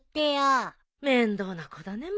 面倒な子だねえ